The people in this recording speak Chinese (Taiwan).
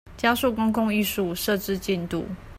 加速公共藝術設置進度